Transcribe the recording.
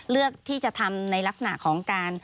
เลือกที่จะทำในลักษณะของการ